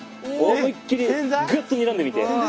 思いっきりグッとにらんでみて。